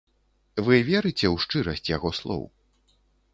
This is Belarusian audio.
Вы верыце ў шчырасць яго слоў?